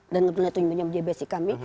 dan kemudian itu yang menjadi bebasik kami